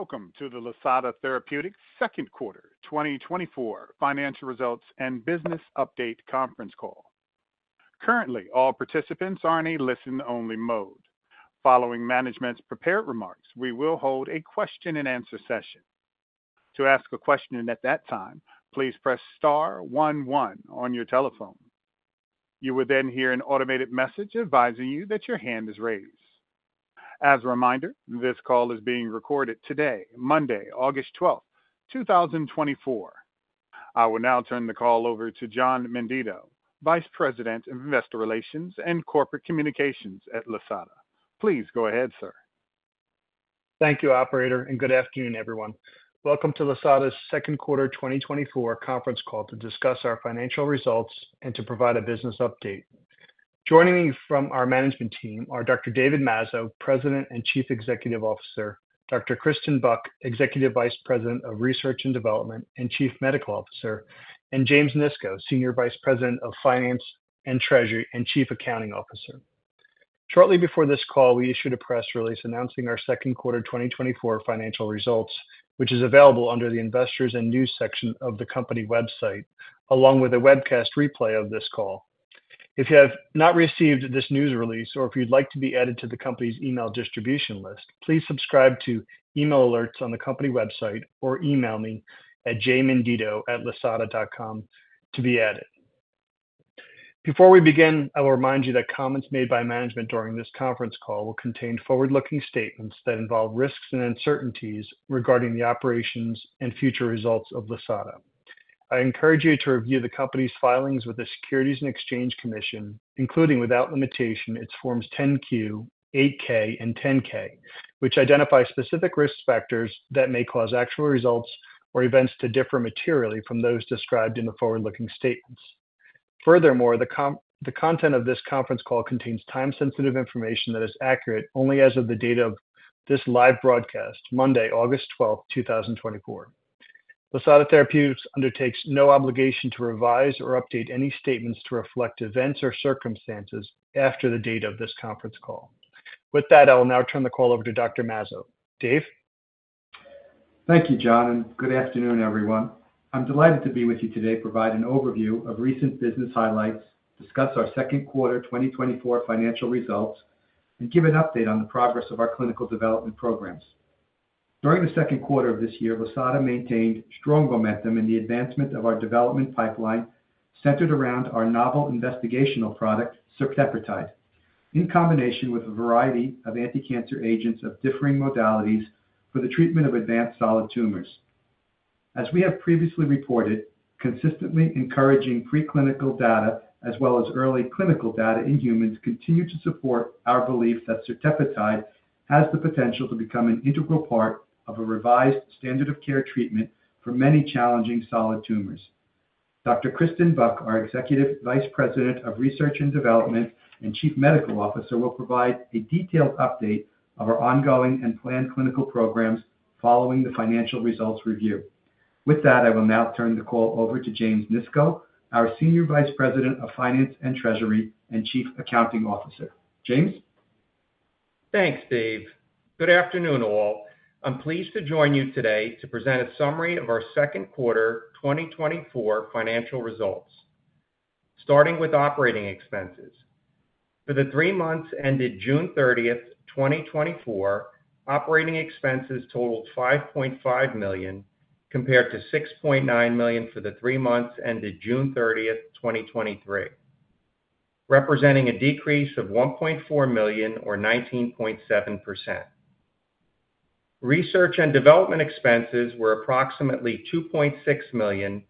Welcome to the Lisata Therapeutics second quarter 2024 financial results and business update conference call. Currently, all participants are in a listen-only mode. Following management's prepared remarks, we will hold a question-and-answer session. To ask a question at that time, please press star one one on your telephone. You will then hear an automated message advising you that your hand is raised. As a reminder, this call is being recorded today, Monday, August 12, 2024. I will now turn the call over to John Menditto, Vice President of Investor Relations and Corporate Communications at Lisata. Please go ahead, sir. Thank you, operator, and good afternoon, everyone. Welcome to Lisata's second quarter 2024 conference call to discuss our financial results and to provide a business update. Joining me from our management team are Dr. David Mazzo, President and Chief Executive Officer, Dr. Kristen Buck, Executive Vice President of Research and Development and Chief Medical Officer, and James Nisco, Senior Vice President of Finance and Treasury, and Chief Accounting Officer. Shortly before this call, we issued a press release announcing our second quarter 2024 financial results, which is available under the Investors and News section of the company website, along with a webcast replay of this call. If you have not received this news release or if you'd like to be added to the company's email distribution list, please subscribe to email alerts on the company website or email me at jmenditto@lisata.com to be added. Before we begin, I will remind you that comments made by management during this conference call will contain forward-looking statements that involve risks and uncertainties regarding the operations and future results of Lisata. I encourage you to review the company's filings with the Securities and Exchange Commission, including, without limitation, its Forms 10-Q, 8-K, and 10-K, which identify specific risk factors that may cause actual results or events to differ materially from those described in the forward-looking statements. Furthermore, the content of this conference call contains time-sensitive information that is accurate only as of the date of this live broadcast, Monday, August 12th, 2024. Lisata Therapeutics undertakes no obligation to revise or update any statements to reflect events or circumstances after the date of this conference call. With that, I will now turn the call over to Dr. Mazzo. Dave? Thank you, John, and good afternoon, everyone. I'm delighted to be with you today to provide an overview of recent business highlights, discuss our second quarter 2024 financial results, and give an update on the progress of our clinical development programs. During the second quarter of this year, Lisata maintained strong momentum in the advancement of our development pipeline, centered around our novel investigational product, certepetide, in combination with a variety of anticancer agents of differing modalities for the treatment of advanced solid tumors. As we have previously reported, consistently encouraging preclinical data, as well as early clinical data in humans, continue to support our belief that certepetide has the potential to become an integral part of a revised standard-of-care treatment for many challenging solid tumors. Dr. Kristen Buck, our Executive Vice President of Research and Development and Chief Medical Officer, will provide a detailed update of our ongoing and planned clinical programs following the financial results review. With that, I will now turn the call over to James Nisco, our Senior Vice President of Finance and Treasury and Chief Accounting Officer. James? Thanks, Dave. Good afternoon, all. I'm pleased to join you today to present a summary of our second quarter 2024 financial results. Starting with operating expenses. For the three months ended June 30, 2024, operating expenses totaled $5.5 million, compared to $6.9 million for the three months ended June 30, 2023, representing a decrease of $1.4 million or 19.7%. Research and development expenses were approximately $2.6 million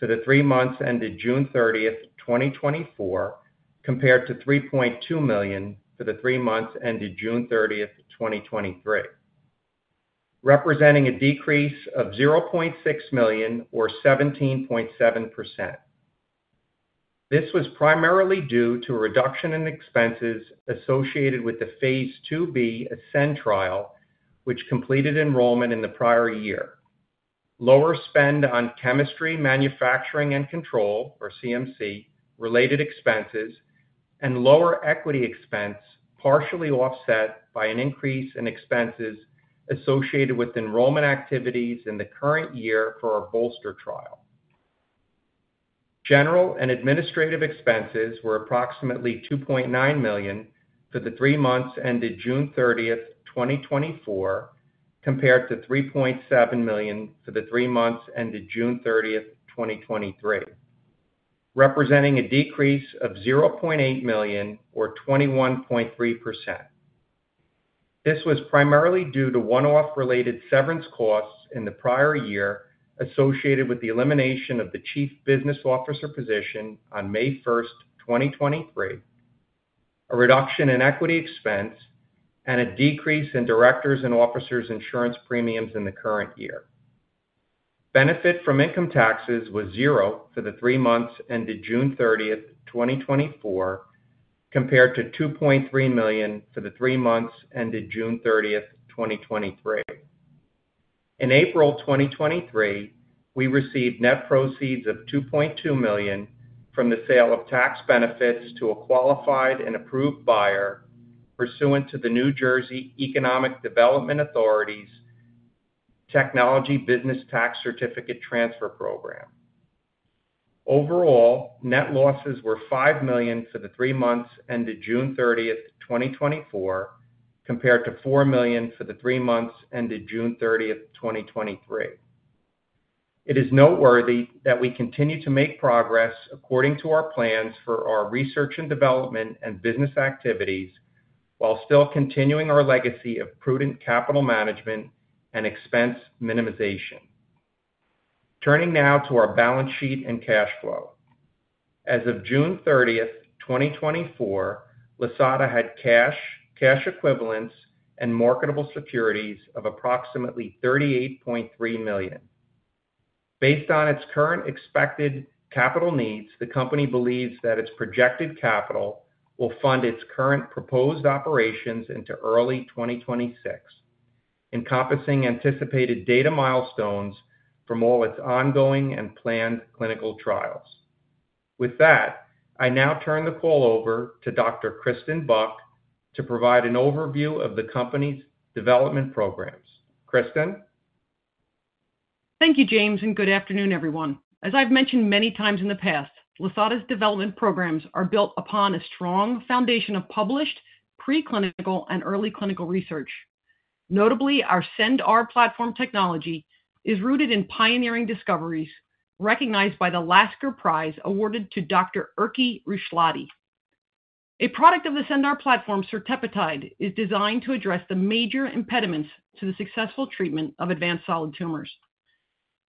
for the three months ended June 30, 2024, compared to $3.2 million for the three months ended June 30, 2023, representing a decrease of $0.6 million or 17.7%. This was primarily due to a reduction in expenses associated with the Phase IIb ASCEND trial, which completed enrollment in the prior year. Lower spend on chemistry, manufacturing, and control, or CMC, related expenses, and lower equity expense, partially offset by an increase in expenses associated with enrollment activities in the current year for our BOLSTER trial. General and administrative expenses were approximately $2.9 million for the three months ended June 30, 2024, compared to $3.7 million for the three months ended June 30, 2023, representing a decrease of $0.8 million or 21.3%. This was primarily due to one-off related severance costs in the prior year associated with the elimination of the chief business officer position on May 1, 2023, a reduction in equity expense, and a decrease in directors' and officers' insurance premiums in the current year. Benefit from income taxes was 0 for the three months ended June 30, 2024, compared to $2.3 million for the three months ended June 30, 2023. In April 2023, we received net proceeds of $2.2 million from the sale of tax benefits to a qualified and approved buyer pursuant to the New Jersey Economic Development Authority's Technology Business Tax Certificate Transfer Program. Overall, net losses were $5 million for the three months ended June 30, 2024, compared to $4 million for the three months ended June 30, 2023. It is noteworthy that we continue to make progress according to our plans for our research and development and business activities, while still continuing our legacy of prudent capital management and expense minimization. Turning now to our balance sheet and cash flow. As of June 30, 2024, Lisata had cash, cash equivalents, and marketable securities of approximately $38.3 million. Based on its current expected capital needs, the company believes that its projected capital will fund its current proposed operations into early 2026, encompassing anticipated data milestones from all its ongoing and planned clinical trials. With that, I now turn the call over to Dr. Kristen Buck to provide an overview of the company's development programs. Kristen? Thank you, James, and good afternoon, everyone. As I've mentioned many times in the past, Lisata's development programs are built upon a strong foundation of published preclinical and early clinical research. Notably, our CendR platform technology is rooted in pioneering discoveries recognized by the Lasker Prize awarded to Dr. Erkki Ruoslahti. A product of the CendR platform, certepetide, is designed to address the major impediments to the successful treatment of advanced solid tumors.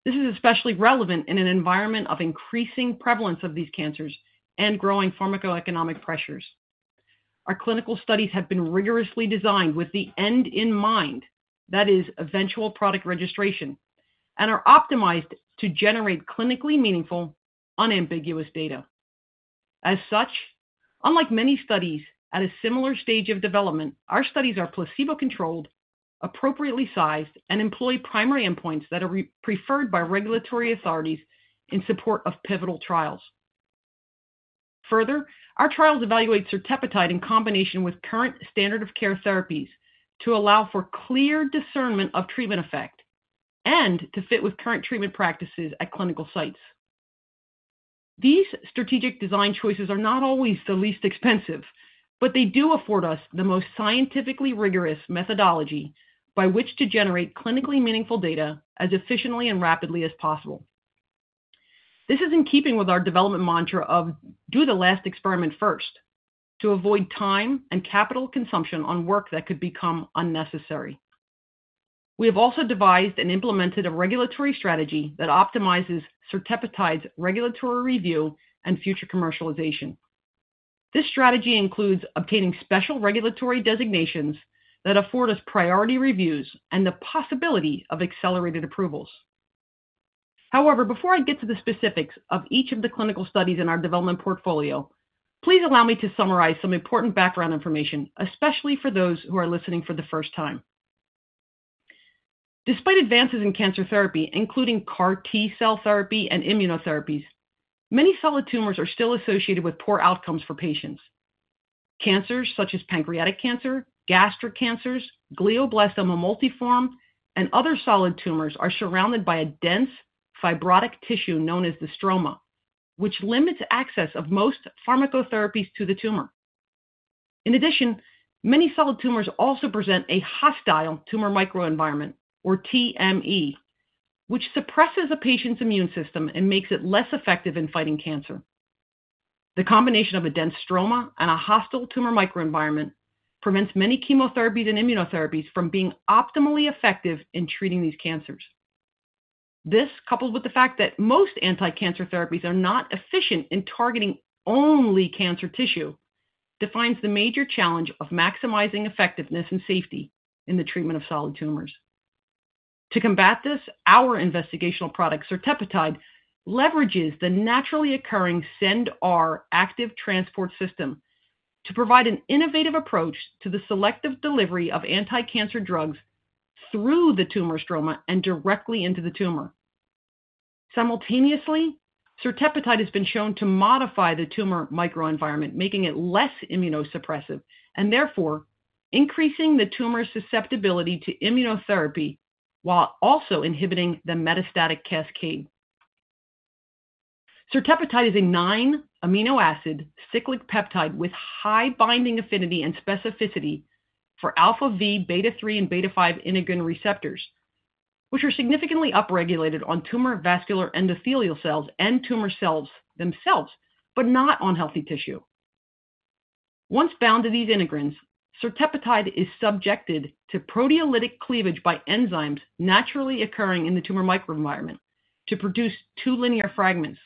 This is especially relevant in an environment of increasing prevalence of these cancers and growing pharmacoeconomic pressures. Our clinical studies have been rigorously designed with the end in mind, that is, eventual product registration, and are optimized to generate clinically meaningful, unambiguous data. As such, unlike many studies at a similar stage of development, our studies are placebo-controlled, appropriately sized, and employ primary endpoints that are preferred by regulatory authorities in support of pivotal trials. Further, our trials evaluate certepetide in combination with current standard of care therapies to allow for clear discernment of treatment effect and to fit with current treatment practices at clinical sites. These strategic design choices are not always the least expensive, but they do afford us the most scientifically rigorous methodology by which to generate clinically meaningful data as efficiently and rapidly as possible. This is in keeping with our development mantra of "Do the last experiment first" to avoid time and capital consumption on work that could become unnecessary. We have also devised and implemented a regulatory strategy that optimizes certepetide's regulatory review and future commercialization. This strategy includes obtaining special regulatory designations that afford us priority reviews and the possibility of accelerated approvals. However, before I get to the specifics of each of the clinical studies in our development portfolio, please allow me to summarize some important background information, especially for those who are listening for the first time. Despite advances in cancer therapy, including CAR T-cell therapy and immunotherapies, many solid tumors are still associated with poor outcomes for patients. Cancers such as pancreatic cancer, gastric cancers, glioblastoma multiforme, and other solid tumors are surrounded by a dense fibrotic tissue known as the stroma, which limits access of most pharmacotherapies to the tumor. In addition, many solid tumors also present a hostile tumor microenvironment, or TME, which suppresses a patient's immune system and makes it less effective in fighting cancer. The combination of a dense stroma and a hostile tumor microenvironment prevents many chemotherapies and immunotherapies from being optimally effective in treating these cancers. This, coupled with the fact that most anticancer therapies are not efficient in targeting only cancer tissue, defines the major challenge of maximizing effectiveness and safety in the treatment of solid tumors. To combat this, our investigational product, certepetide, leverages the naturally occurring CendR active transport system to provide an innovative approach to the selective delivery of anticancer drugs through the tumor stroma and directly into the tumor. Simultaneously, certepetide has been shown to modify the tumor microenvironment, making it less immunosuppressive and therefore increasing the tumor's susceptibility to immunotherapy while also inhibiting the metastatic cascade. Certepetide is a nine-amino acid cyclic peptide with high binding affinity and specificity for alpha-v beta-3 and beta-5 integrin receptors, which are significantly upregulated on tumor vascular endothelial cells and tumor cells themselves, but not on healthy tissue. Once bound to these integrins, certepetide is subjected to proteolytic cleavage by enzymes naturally occurring in the tumor microenvironment to produce two linear fragments,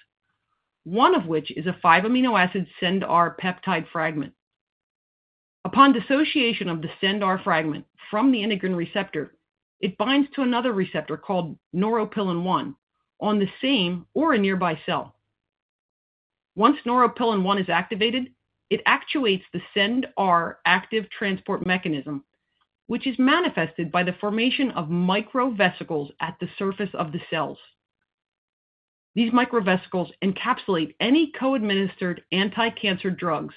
one of which is a five-amino acid CendR peptide fragment. Upon dissociation of the CendR fragment from the integrin receptor, it binds to another receptor called neuropilin-1 on the same or a nearby cell. Once neuropilin-1 is activated, it actuates the CendR active transport mechanism, which is manifested by the formation of microvesicles at the surface of the cells. These microvesicles encapsulate any co-administered anticancer drugs,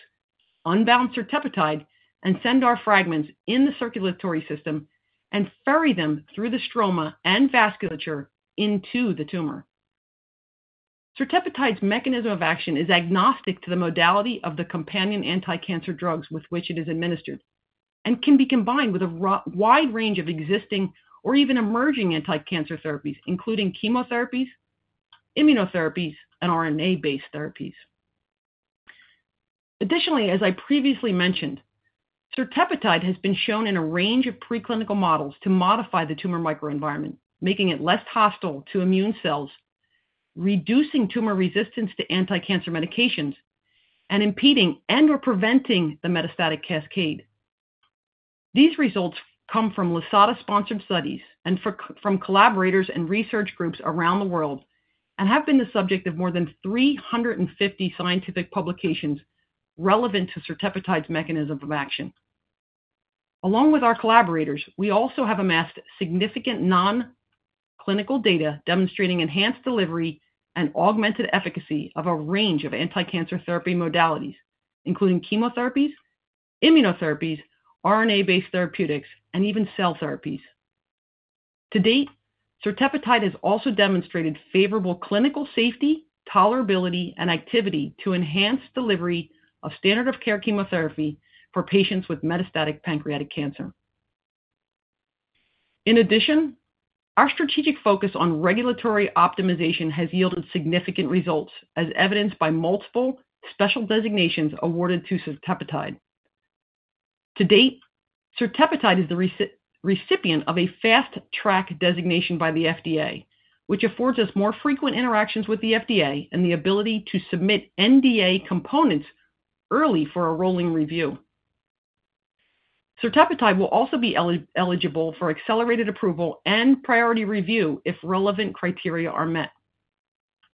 unbound certepetide, and CendR fragments in the circulatory system and ferry them through the stroma and vasculature into the tumor. Certepetide's mechanism of action is agnostic to the modality of the companion anticancer drugs with which it is administered, and can be combined with a wide range of existing or even emerging anticancer therapies, including chemotherapies, immunotherapies, and RNA-based therapies. Additionally, as I previously mentioned, certepetide has been shown in a range of preclinical models to modify the tumor microenvironment, making it less hostile to immune cells, reducing tumor resistance to anticancer medications, and impeding and/or preventing the metastatic cascade. These results come from Lisata-sponsored studies and from collaborators and research groups around the world, and have been the subject of more than 350 scientific publications relevant to certepetide's mechanism of action. Along with our collaborators, we also have amassed significant non-clinical data demonstrating enhanced delivery and augmented efficacy of a range of anticancer therapy modalities, including chemotherapies, immunotherapies, RNA-based therapeutics, and even cell therapies. To date, certepetide has also demonstrated favorable clinical safety, tolerability, and activity to enhance delivery of standard of care chemotherapy for patients with metastatic pancreatic cancer. In addition, our strategic focus on regulatory optimization has yielded significant results, as evidenced by multiple special designations awarded to certepetide. To date, certepetide is the recipient of a Fast Track designation by the FDA, which affords us more frequent interactions with the FDA and the ability to submit NDA components early for a rolling review. Certepetide will also be eligible for accelerated approval and priority review if relevant criteria are met.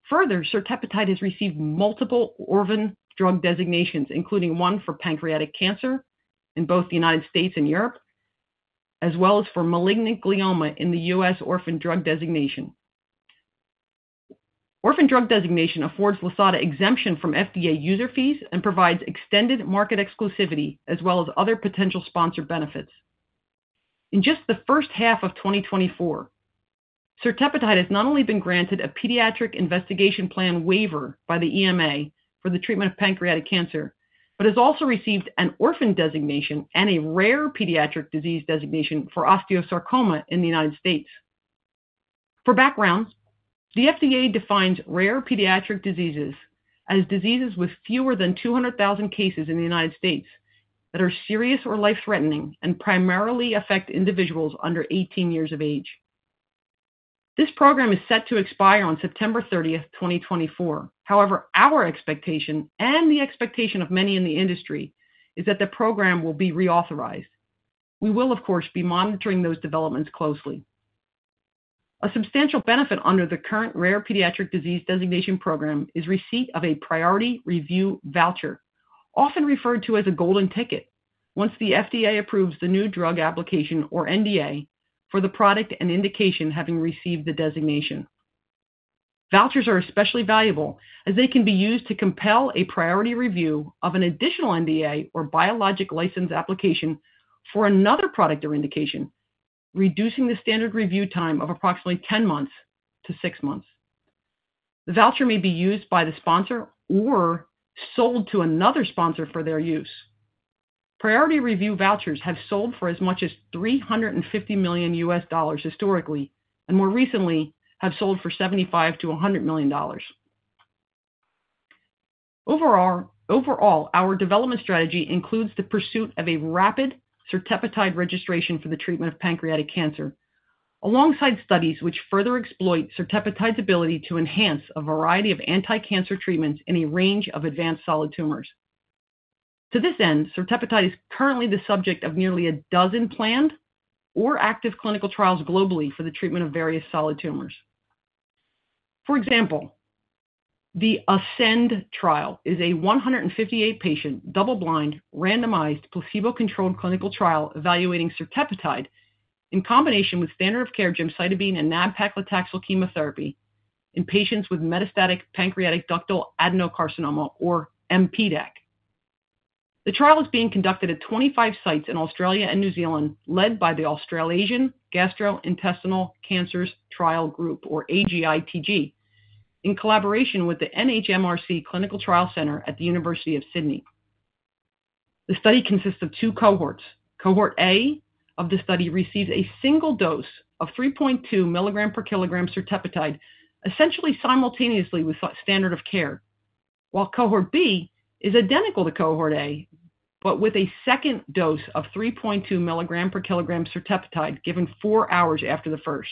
Further, certepetide has received multiple orphan drug designations, including one for pancreatic cancer in both the United States and Europe, as well as for malignant glioma in the U.S. Orphan Drug Designation. Orphan drug designation affords Lisata exemption from FDA user fees and provides extended market exclusivity, as well as other potential sponsor benefits. In just the first half of 2024, certepetide has not only been granted a pediatric investigation plan waiver by the EMA for the treatment of pancreatic cancer, but has also received an orphan designation and a rare pediatric disease designation for osteosarcoma in the United States. For background, the FDA defines rare pediatric diseases as diseases with fewer than 200,000 cases in the United States that are serious or life-threatening and primarily affect individuals under 18 years of age. This program is set to expire on September 30, 2024. However, our expectation, and the expectation of many in the industry, is that the program will be reauthorized. We will, of course, be monitoring those developments closely. A substantial benefit under the current Rare Pediatric Disease Designation Program is receipt of a priority review voucher, often referred to as a golden ticket, once the FDA approves the new drug application or NDA for the product and indication having received the designation. Vouchers are especially valuable as they can be used to compel a priority review of an additional NDA or biologic license application for another product or indication, reducing the standard review time of approximately 10 months to 6 months. The voucher may be used by the sponsor or sold to another sponsor for their use. Priority review vouchers have sold for as much as $350 million US dollars historically, and more recently have sold for $75 million-$100 million dollars. Overall, our development strategy includes the pursuit of a rapid certepetide registration for the treatment of pancreatic cancer, alongside studies which further exploit certepetide's ability to enhance a variety of anticancer treatments in a range of advanced solid tumors. To this end, certepetide is currently the subject of nearly a dozen planned or active clinical trials globally for the treatment of various solid tumors. For example, the ASCEND trial is a 158-patient, double-blind, randomized, placebo-controlled clinical trial evaluating certepetide in combination with standard of care gemcitabine and nab-paclitaxel chemotherapy in patients with metastatic pancreatic ductal adenocarcinoma or mPDAC. The trial is being conducted at 25 sites in Australia and New Zealand, led by the Australasian Gastro-Intestinal Trials Group, or AGITG, in collaboration with the NHMRC Clinical Trials Centre at the University of Sydney. The study consists of two cohorts. Cohort A of the study receives a single dose of 3.2 mg/kg certepetide, essentially simultaneously with standard of care, while Cohort B is identical to Cohort A, but with a second dose of 3.2 mg/kg certepetide given 4 hours after the first.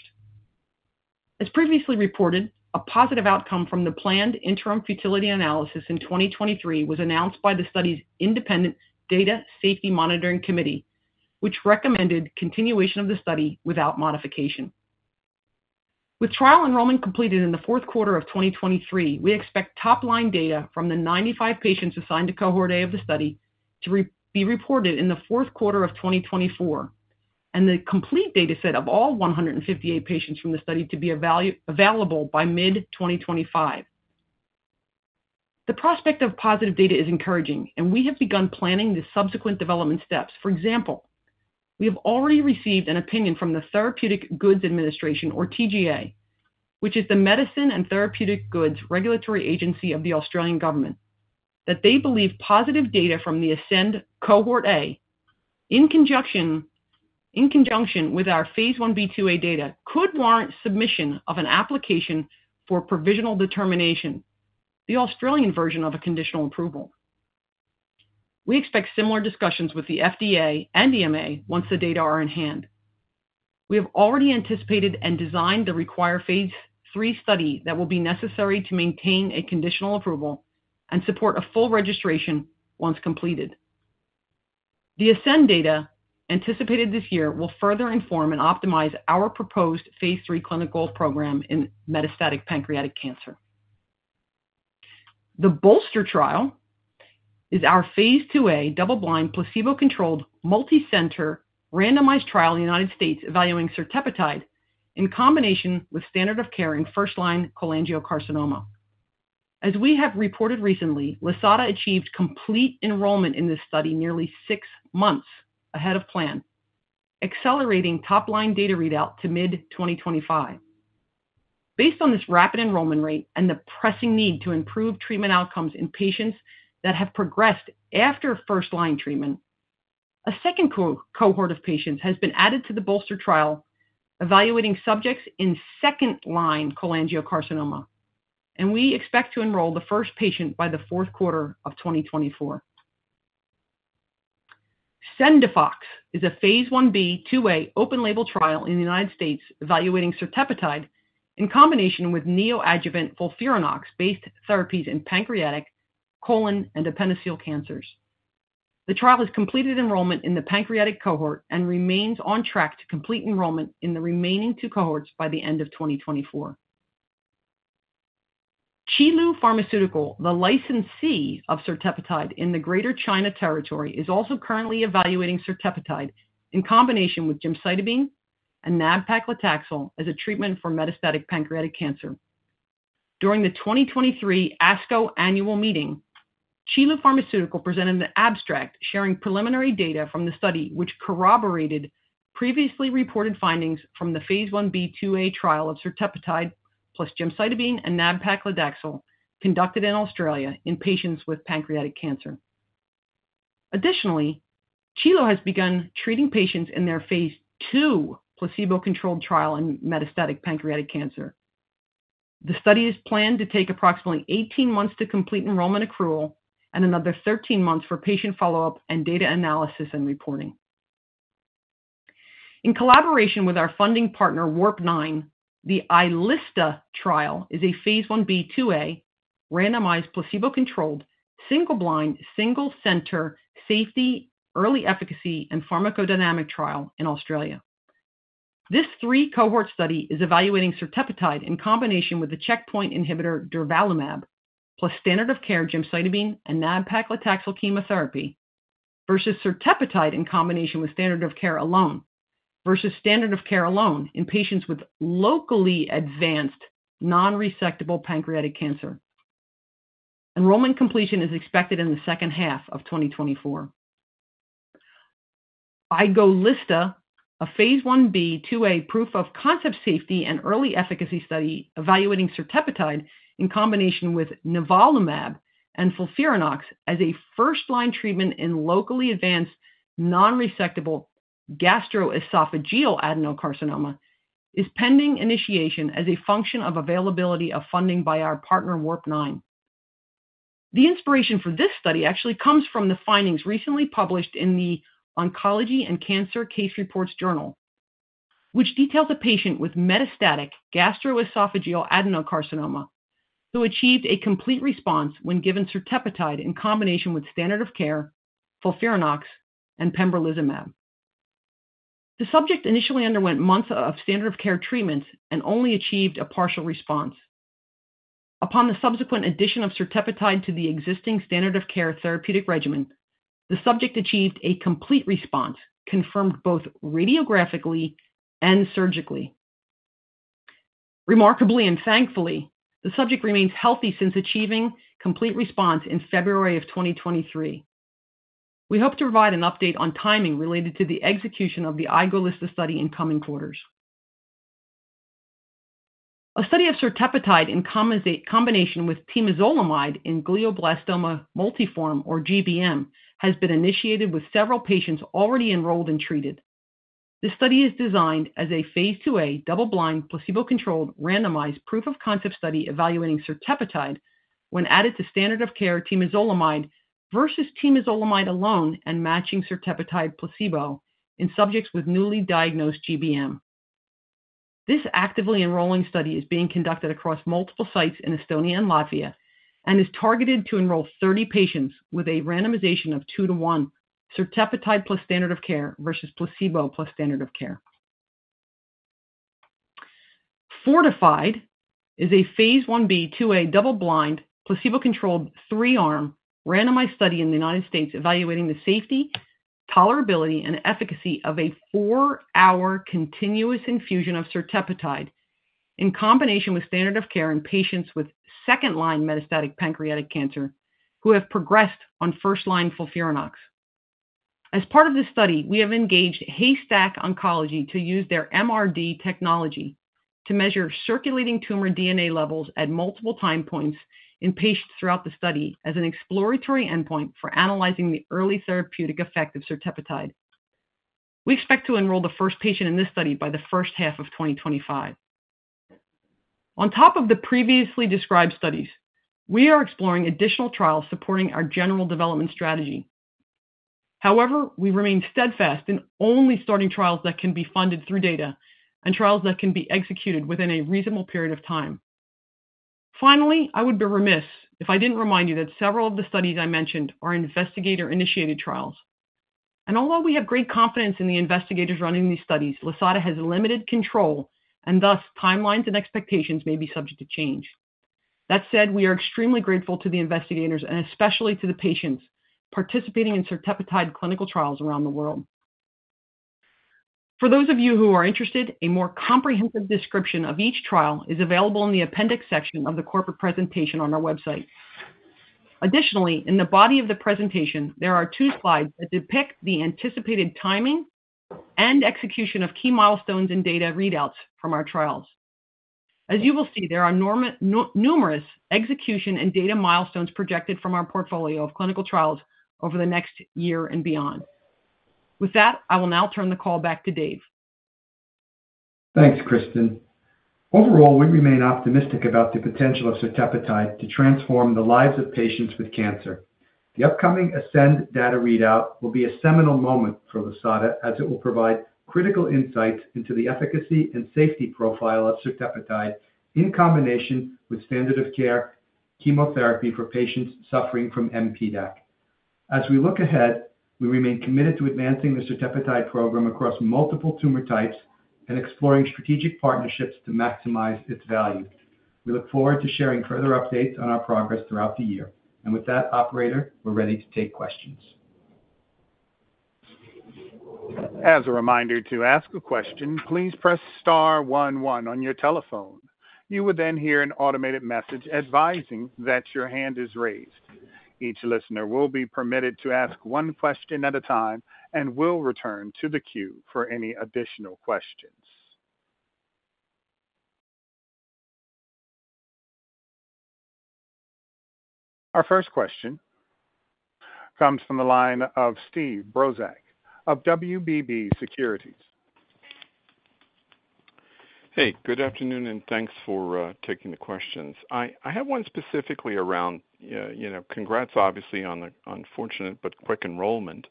As previously reported, a positive outcome from the planned interim futility analysis in 2023 was announced by the study's independent Data Safety Monitoring Committee, which recommended continuation of the study without modification. With trial enrollment completed in the fourth quarter of 2023, we expect top-line data from the 95 patients assigned to cohort A of the study to be reported in the fourth quarter of 2024, and the complete data set of all 158 patients from the study to be available by mid-2025. The prospect of positive data is encouraging, and we have begun planning the subsequent development steps. For example, we have already received an opinion from the Therapeutic Goods Administration, or TGA, which is the Medicine and Therapeutic Goods Regulatory Agency of the Australian Government, that they believe positive data from the ASCEND cohort A, in conjunction with our phase Ib/IIa data, could warrant submission of an application for provisional determination, the Australian version of a conditional approval. We expect similar discussions with the FDA and EMA once the data are in hand. We have already anticipated and designed the required phase III study that will be necessary to maintain a conditional approval and support a full registration once completed. The ASCEND data anticipated this year will further inform and optimize our proposed phase III clinical program in metastatic pancreatic cancer. The BOLSTER trial is our phase IIa double-blind, placebo-controlled, multicenter randomized trial in the United States evaluating certepetide in combination with standard of care in first-line cholangiocarcinoma. As we have reported recently, Lisata achieved complete enrollment in this study nearly six months ahead of plan, accelerating top-line data readout to mid-2025. Based on this rapid enrollment rate and the pressing need to improve treatment outcomes in patients that have progressed after first-line treatment, a second cohort of patients has been added to the BOLSTER trial, evaluating subjects in second-line cholangiocarcinoma, and we expect to enroll the first patient by the fourth quarter of 2024. CENDIFOX is a phase Ib/IIa open-label trial in the United States evaluating certepetide in combination with neoadjuvant FOLFIRINOX-based therapies in pancreatic, colon, and appendiceal cancers. The trial has completed enrollment in the pancreatic cohort and remains on track to complete enrollment in the remaining two cohorts by the end of 2024. Qilu Pharmaceutical, the licensee of certepetide in the Greater China territory, is also currently evaluating certepetide in combination with gemcitabine and nab-paclitaxel as a treatment for metastatic pancreatic cancer. During the 2023 ASCO annual meeting, Qilu Pharmaceutical presented an abstract sharing preliminary data from the study, which corroborated previously reported findings from the phase Ib/IIa trial of certepetide plus gemcitabine and nab-paclitaxel conducted in Australia in patients with pancreatic cancer. Additionally, Qilu has begun treating patients in their phase II placebo-controlled trial in metastatic pancreatic cancer. The study is planned to take approximately 18 months to complete enrollment accrual and another 13 months for patient follow-up and data analysis and reporting. In collaboration with our funding partner, Warp Nine, the iLSTA trial is a phase Ib/IIa, randomized, placebo-controlled, single-blind, single-center, safety, early efficacy, and pharmacodynamic trial in Australia. This three-cohort study is evaluating certepetide in combination with the checkpoint inhibitor durvalumab, plus standard of care gemcitabine and nab-paclitaxel chemotherapy, versus certepetide in combination with standard of care alone, versus standard of care alone in patients with locally advanced non-resectable pancreatic cancer. Enrollment completion is expected in the second half of 2024. iGOLSTA, a phase Ib/IIa proof-of-concept safety and early efficacy study evaluating certepetide in combination with nivolumab and FOLFIRINOX as a first-line treatment in locally advanced non-resectable gastroesophageal adenocarcinoma, is pending initiation as a function of availability of funding by our partner, Warp Nine. The inspiration for this study actually comes from the findings recently published in the Oncology and Cancer Case Reports Journal, which details a patient with metastatic gastroesophageal adenocarcinoma, who achieved a complete response when given certepetide in combination with standard of care, FOLFIRINOX, and pembrolizumab. The subject initially underwent months of standard of care treatments and only achieved a partial response. Upon the subsequent addition of certepetide to the existing standard of care therapeutic regimen, the subject achieved a complete response, confirmed both radiographically and surgically. Remarkably and thankfully, the subject remains healthy since achieving complete response in February of 2023. We hope to provide an update on timing related to the execution of the iGOLSTA study in coming quarters. A study of certepetide in combination with temozolomide in glioblastoma multiforme, or GBM, has been initiated with several patients already enrolled and treated. This study is designed as a phase IIa, double-blind, placebo-controlled, randomized proof-of-concept study evaluating certepetide when added to standard of care temozolomide versus temozolomide alone and matching certepetide placebo in subjects with newly diagnosed GBM. This actively enrolling study is being conducted across multiple sites in Estonia and Latvia and is targeted to enroll 30 patients with a randomization of 2 to 1, certepetide plus standard of care versus placebo plus standard of care. FORTIFIED is a phase Ib/IIa, double-blind, placebo-controlled, three-arm randomized study in the United States evaluating the safety, tolerability, and efficacy of a 4-hour continuous infusion of certepetide in combination with standard of care in patients with second-line metastatic pancreatic cancer who have progressed on first-line FOLFIRINOX. As part of this study, we have engaged Haystack Oncology to use their MRD technology to measure circulating tumor DNA levels at multiple time points in patients throughout the study as an exploratory endpoint for analyzing the early therapeutic effect of certepetide. We expect to enroll the first patient in this study by the first half of 2025. On top of the previously described studies, we are exploring additional trials supporting our general development strategy. However, we remain steadfast in only starting trials that can be funded through data and trials that can be executed within a reasonable period of time. Finally, I would be remiss if I didn't remind you that several of the studies I mentioned are investigator-initiated trials. And although we have great confidence in the investigators running these studies, Lisata has limited control, and thus, timelines and expectations may be subject to change. That said, we are extremely grateful to the investigators and especially to the patients participating in certepetide clinical trials around the world. For those of you who are interested, a more comprehensive description of each trial is available in the appendix section of the corporate presentation on our website. Additionally, in the body of the presentation, there are two slides that depict the anticipated timing and execution of key milestones and data readouts from our trials. As you will see, there are numerous execution and data milestones projected from our portfolio of clinical trials over the next year and beyond. With that, I will now turn the call back to Dave. Thanks, Kristen. Overall, we remain optimistic about the potential of certepetide to transform the lives of patients with cancer. The upcoming ASCEND data readout will be a seminal moment for Lisata as it will provide critical insights into the efficacy and safety profile of certepetide in combination with standard of care chemotherapy for patients suffering from mPDAC. As we look ahead, we remain committed to advancing the certepetide program across multiple tumor types and exploring strategic partnerships to maximize its value. We look forward to sharing further updates on our progress throughout the year. With that, operator, we're ready to take questions. As a reminder, to ask a question, please press star one one on your telephone. You would then hear an automated message advising that your hand is raised. Each listener will be permitted to ask one question at a time and will return to the queue for any additional questions. Our first question comes from the line of Steve Brozak of WBB Securities. Hey, good afternoon, and thanks for taking the questions. I have one specifically around you know, congrats, obviously, on the unfortunate but quick enrollment.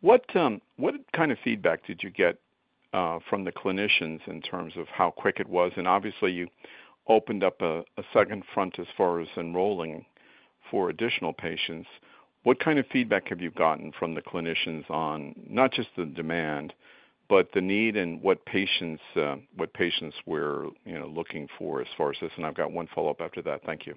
What kind of feedback did you get from the clinicians in terms of how quick it was? And obviously, you opened up a second front as far as enrolling for additional patients. What kind of feedback have you gotten from the clinicians on not just the demand, but the need and what patients we're you know looking for as far as this? And I've got one follow-up after that. Thank you.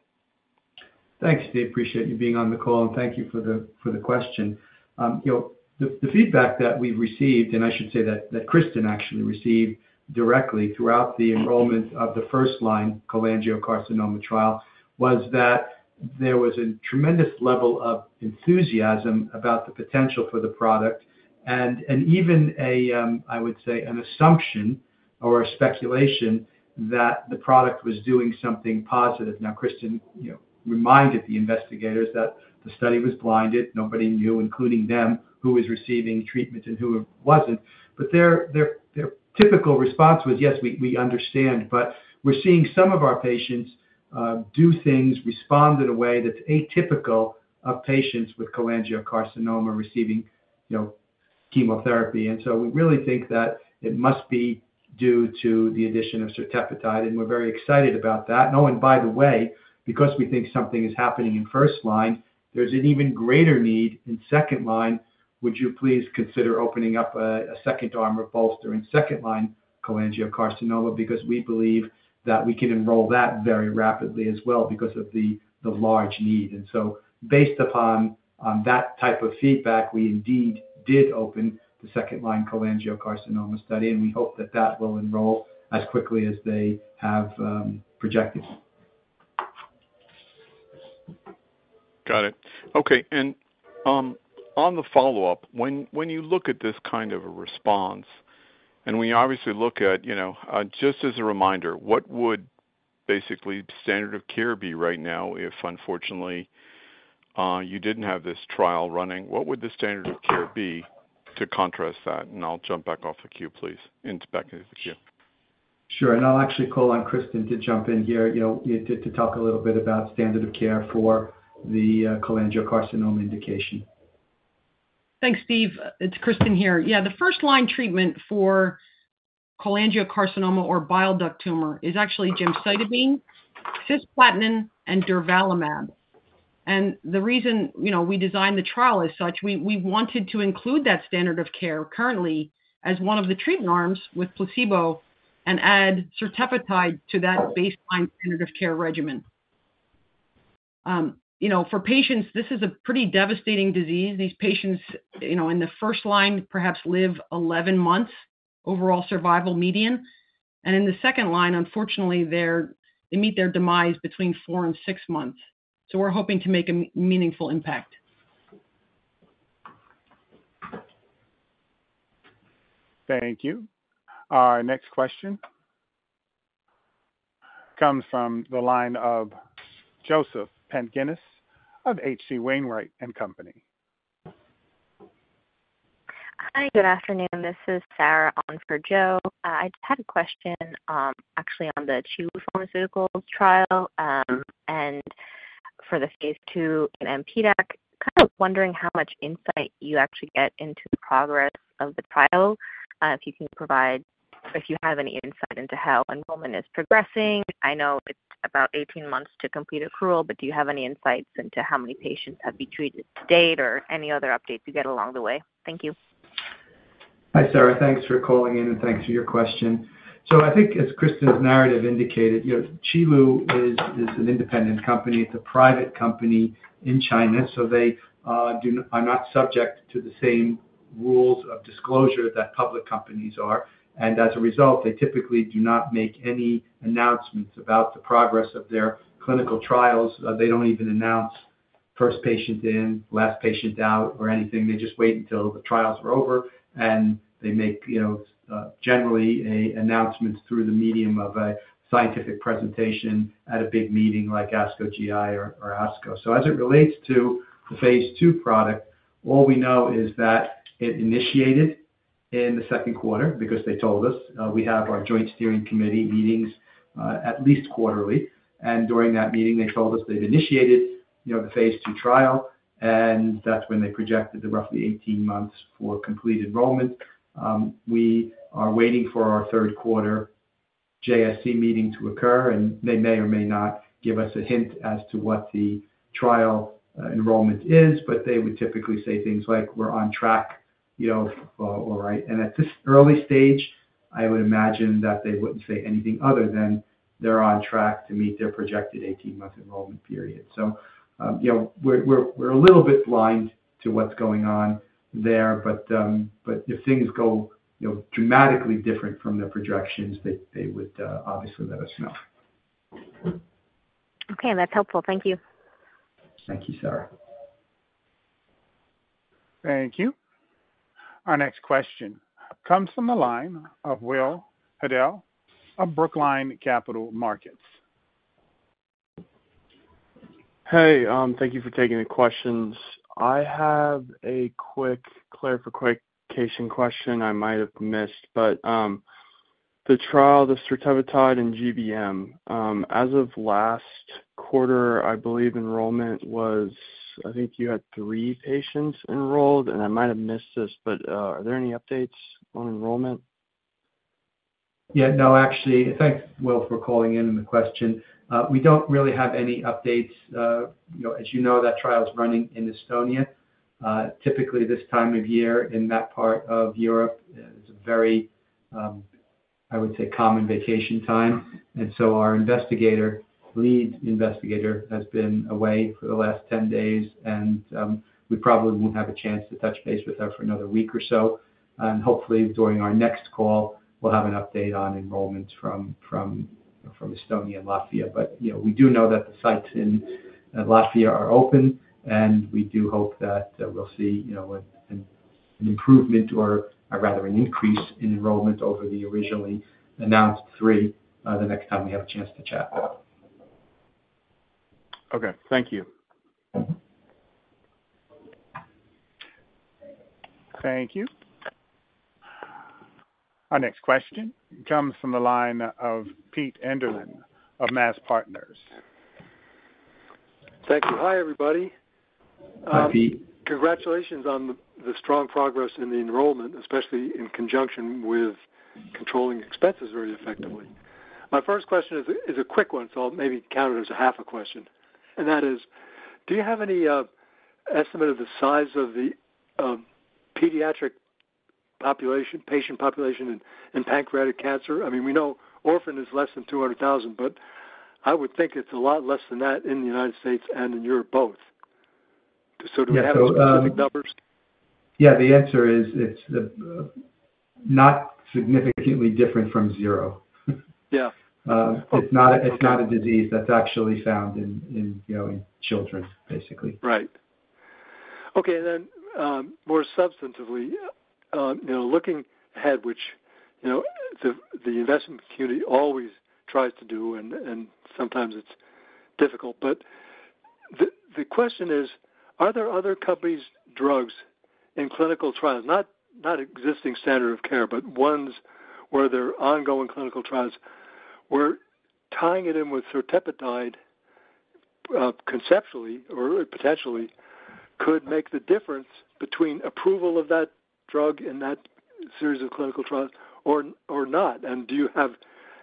Thanks, Steve. Appreciate you being on the call, and thank you for the question. You know, the feedback that we've received, and I should say that Kristen actually received directly throughout the enrollment of the first-line cholangiocarcinoma trial, was that there was a tremendous level of enthusiasm about the potential for the product and even a I would say, an assumption or a speculation that the product was doing something positive. Now, Kristen, you know, reminded the investigators that the study was blinded. Nobody knew, including them, who was receiving treatment and who wasn't. But their typical response was, "Yes, we understand, but we're seeing some of our patients do things, respond in a way that's atypical of patients with cholangiocarcinoma receiving, you know, chemotherapy. And so we really think that it must be due to the addition of certepetide, and we're very excited about that. Oh, and by the way, because we think something is happening in first line, there's an even greater need in second line. Would you please consider opening up a second arm or bolster in second-line cholangiocarcinoma? Because we believe that we can enroll that very rapidly as well because of the large need. And so based upon that type of feedback, we indeed did open the second-line cholangiocarcinoma study, and we hope that that will enroll as quickly as they have projected. Got it. Okay, and on the follow-up, when you look at this kind of a response, and we obviously look at, you know, just as a reminder, what would basically standard of care be right now if, unfortunately, you didn't have this trial running? What would the standard of care be to contrast that? And I'll jump back off the queue, please, and back into the queue. Sure, and I'll actually call on Kristen to jump in here, you know, to talk a little bit about standard of care for the cholangiocarcinoma indication. Thanks, Steve. It's Kristen here. Yeah, the first-line treatment for cholangiocarcinoma or bile duct tumor is actually gemcitabine, cisplatin, and durvalumab. And the reason, you know, we designed the trial as such, we wanted to include that standard of care currently as one of the treatment arms with placebo and add certepetide to that baseline standard of care regimen. You know, for patients, this is a pretty devastating disease. These patients, you know, in the first line, perhaps live 11 months, overall survival median. And in the second line, unfortunately, they're they meet their demise between 4 and 6 months. So we're hoping to make a meaningful impact. Thank you. Our next question comes from the line of Joseph Pantginis of H.C. Wainwright & Co. Hi, good afternoon. This is Sarah on for Joe. I just had a question, actually on the Qilu Pharmaceutical trial, and for the Phase II in mPDAC. Kind of wondering how much insight you actually get into the progress of the trial, if you can provide, if you have any insight into how enrollment is progressing. I know it's about 18 months to complete accrual, but do you have any insights into how many patients have been treated to date or any other updates you get along the way? Thank you. Hi, Sarah. Thanks for calling in, and thanks for your question. So I think as Kristen's narrative indicated, you know, Qilu is an independent company. It's a private company in China, so they are not subject to the same rules of disclosure that public companies are. And as a result, they typically do not make any announcements about the progress of their clinical trials. They don't even announce first patient in, last patient out, or anything. They just wait until the trials are over, and they make, you know, generally a announcement through the medium of a scientific presentation at a big meeting like ASCO GI or, or ASCO. So as it relates to the phase II product, all we know is that it initiated in the second quarter because they told us. We have our joint steering committee meetings at least quarterly, and during that meeting, they told us they've initiated, you know, the phase II trial, and that's when they projected the roughly 18 months for complete enrollment. We are waiting for our third quarter JSC meeting to occur, and they may or may not give us a hint as to what the trial enrollment is, but they would typically say things like, "We're on track," you know, all right. At this early stage, I would imagine that they wouldn't say anything other than they're on track to meet their projected 18-month enrollment period. You know, we're a little bit blind to what's going on there, but, but if things go, you know, dramatically different from their projections, they would obviously let us know. Okay, that's helpful. Thank you. Thank you, Sarah. Thank you. Our next question comes from the line of Will Hittle of Brookline Capital Markets. Hey, thank you for taking the questions. I have a quick clarification question I might have missed, but, the trial, the certepetide and GBM, as of last quarter, I believe enrollment was, I think you had three patients enrolled, and I might have missed this, but, are there any updates on enrollment? Yeah. No, actually, thanks, Will, for calling in and the question. We don't really have any updates. You know, as you know, that trial is running in Estonia. Typically, this time of year in that part of Europe, it's a very, I would say, common vacation time, and so our lead investigator has been away for the last 10 days, and we probably won't have a chance to touch base with her for another week or so. And hopefully, during our next call, we'll have an update on enrollments from Estonia and Latvia. But, you know, we do know that the sites in Latvia are open, and we do hope that we'll see, you know, an improvement or rather an increase in enrollment over the originally announced 3 the next time we have a chance to chat. Okay. Thank you. Thank you. Our next question comes from the line of Pete Enderlin of MAZ Partners. Thank you. Hi, everybody. Hi, Pete. Congratulations on the strong progress in the enrollment, especially in conjunction with controlling expenses very effectively. My first question is a quick one, so I'll maybe count it as a half a question. And that is, do you have any estimate of the size of the pediatric population, patient population in pancreatic cancer? I mean, we know orphan is less than 200,000, but I would think it's a lot less than that in the United States and in Europe, both. So do we have specific numbers? Yeah, the answer is, it's not significantly different from zero. Yeah. It's not a disease that's actually found in you know, in children, basically. Right. Okay, and then, more substantively, you know, looking ahead, which, you know, the, the investment community always tries to do, and, and sometimes it's difficult. But the, the question is, are there other companies, drugs in clinical trials, not, not existing standard of care, but ones where there are ongoing clinical trials, where tying it in with certepetide conceptually or potentially could make the difference between approval of that drug and that series of clinical trials or, or not? And do you have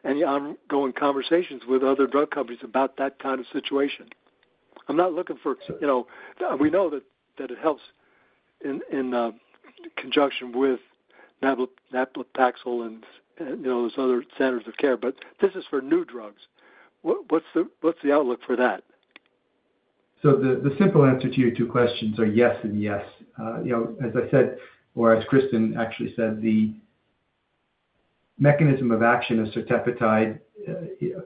any ongoing conversations with other drug companies about that kind of situation? I'm not looking for, you know, we know that, that it helps in, in, conjunction with nab-paclitaxel and, you know, those other standards of care, but this is for new drugs. What's the outlook for that? So the simple answer to your two questions are yes and yes. You know, as I said, or as Kristen actually said, the mechanism of action of certepetide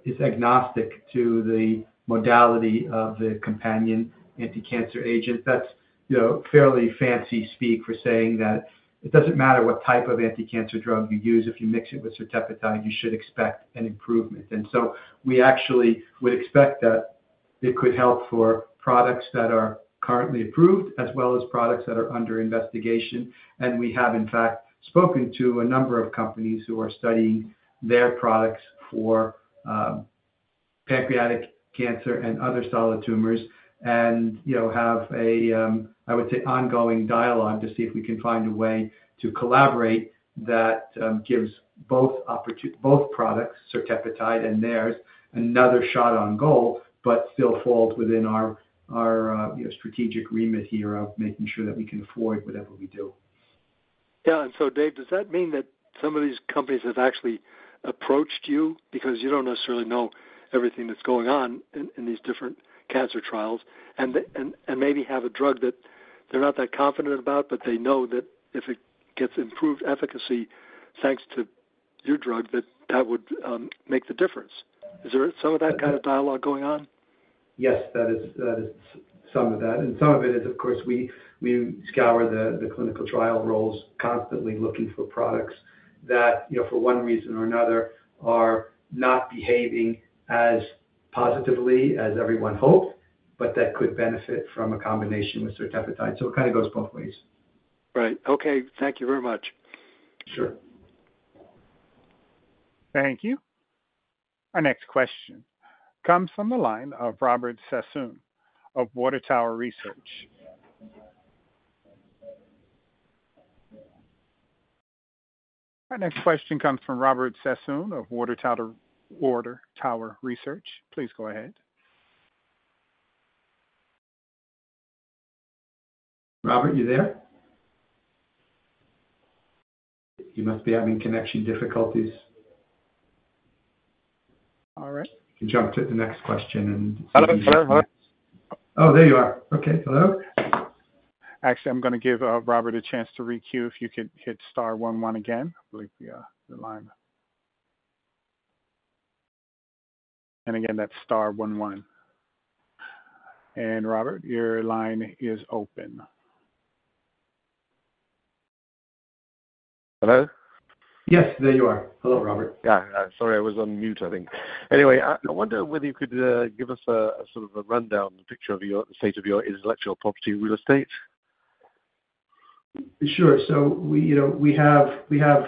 is agnostic to the modality of the companion anticancer agent. That's, you know, fairly fancy speak for saying that it doesn't matter what type of anticancer drug you use, if you mix it with certepetide, you should expect an improvement. And so we actually would expect that it could help for products that are currently approved as well as products that are under investigation. And we have, in fact, spoken to a number of companies who are studying their products for pancreatic cancer and other solid tumors, and, you know, have a, I would say, ongoing dialogue to see if we can find a way to collaborate that gives both opportunity for both products, certepetide and theirs, another shot on goal, but still falls within our, you know, strategic remit here of making sure that we can afford whatever we do. Yeah. And so Dave, does that mean that some of these companies have actually approached you? Because you don't necessarily know everything that's going on in these different cancer trials, and and maybe have a drug that they're not that confident about, but they know that if it gets improved efficacy thanks to your drug, that that would make the difference. Is there some of that kind of dialogue going on? Yes, that is, that is some of that. And some of it is, of course, we scour the clinical trial roles constantly looking for products that, you know, for one reason or another, are not behaving as positively as everyone hoped, but that could benefit from a combination with certepetide. So it kind of goes both ways. Right. Okay, thank you very much. Sure. Thank you. Our next question comes from the line of Robert Sassone of Water Tower Research. Our next question comes from Robert Sassone of Water Tower, Water Tower Research. Please go ahead. Robert, you there? He must be having connection difficulties. All right. We can jump to the next question and- Hello, sir. Hi. Oh, there you are. Okay. Hello? Actually, I'm gonna give Robert a chance to requeue. If you could hit star one one again, I believe, the line. And again, that's star one one. And Robert, your line is open. Hello? Yes, there you are. Hello, Robert. Yeah. Sorry, I was on mute, I think. Anyway, I wonder whether you could give us a sort of a rundown, the picture of your, the state of your intellectual property real estate. Sure. So we, you know, we have, we have,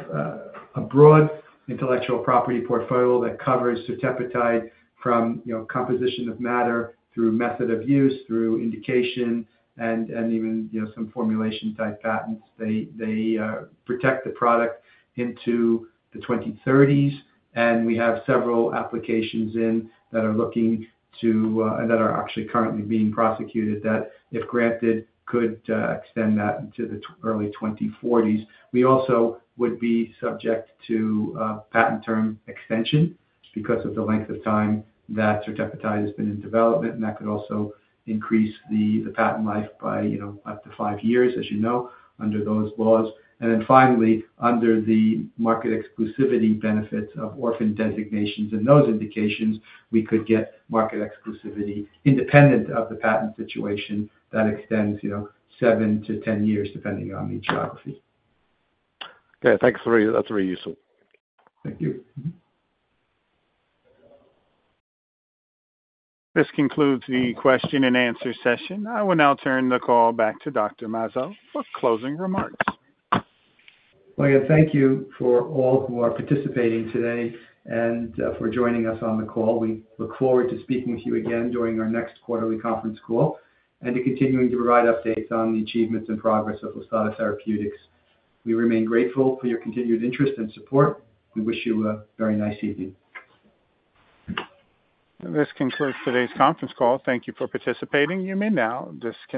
a broad intellectual property portfolio that covers certepetide from, you know, composition of matter through method of use, through indication, and, and even, you know, some formulation-type patents. They, they, protect the product into the 2030s, and we have several applications in that are looking to, that are actually currently being prosecuted, that, if granted, could, extend that into the early 2040s. We also would be subject to, patent term extension because of the length of time that certepetide has been in development, and that could also increase the, the patent life by, you know, up to 5 years, as you know, under those laws. And then finally, under the market exclusivity benefits of orphan designations and those indications, we could get market exclusivity independent of the patent situation that extends, you know, 7-10 years, depending on the geography. Okay. Thanks, that's very useful. Thank you. Mm-hmm. This concludes the question-and-answer session. I will now turn the call back to Dr. Mazzo for closing remarks. Well, again, thank you for all who are participating today and for joining us on the call. We look forward to speaking with you again during our next quarterly conference call, and to continuing to provide updates on the achievements and progress of Lisata Therapeutics. We remain grateful for your continued interest and support. We wish you a very nice evening. This concludes today's conference call. Thank you for participating. You may now disconnect.